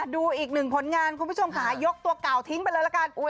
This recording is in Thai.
ดูอีกหนึ่งผลงานคุณผู้ชมค่ะยกตัวเก่าทิ้งไปเลยละกัน